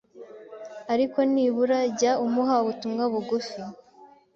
ariko nibura jya umuha ubutumwa bugufi